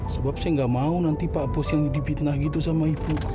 sebab saya nggak mau nanti pak bos yang dipitnah gitu sama ibu